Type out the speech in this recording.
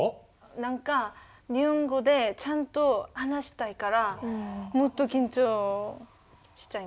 何か日本語でちゃんと話したいからもっと緊張しちゃいます。